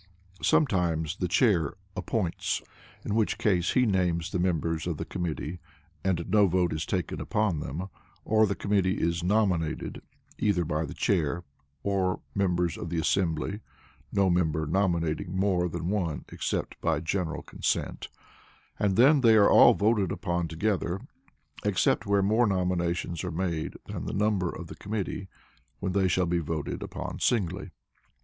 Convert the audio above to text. Sometimes the Chair "appoints," in which case he names the members of the committee and no vote is taken upon them; or the committee is "nominated" either by the Chair or members of the assembly (no member nominating more than one except by general consent), and then they are all voted upon together, except where more nominations are made than the number of the committee, when they shall be voted upon singly.